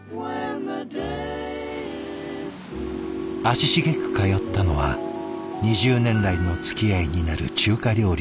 足しげく通ったのは２０年来のつきあいになる中華料理の店。